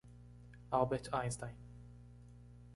Albert Einstein.